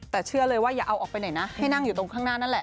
แต่เชื่อเลยว่าอย่าเอาออกไปไหนนะให้นั่งอยู่ตรงข้างหน้านั่นแหละ